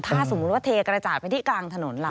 ถ้าสมมุติว่าเทกระจาดไปที่กลางถนนล่ะ